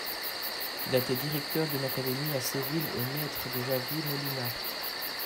Il a été directeur d'une académie à Séville et maître de Javier Molina.